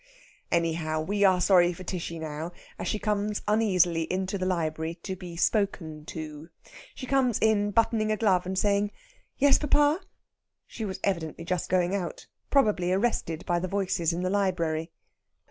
Anyhow, we are sorry for Tishy now, as she comes uneasily into the library to be "spoken to." She comes in buttoning a glove and saying, "Yes, papa." She was evidently just going out probably arrested by the voices in the library.